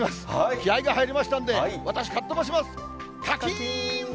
気合いが入りましたんで、私、かっとばします。